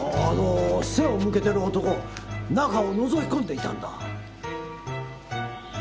あの背を向けている男中をのぞき込んでいたんだ。